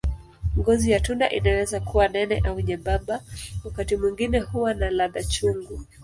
Ngozi ya tunda inaweza kuwa nene au nyembamba, wakati mwingine huwa na ladha chungu.